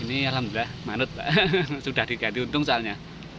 ini alhamdulillah manut sudah diganti untung soalnya